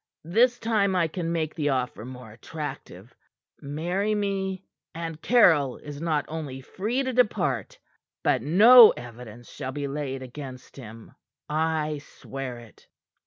"This time I can make the offer more attractive. Marry me, and Caryll is not only free to depart, but no evidence shall be laid against him. I swear it!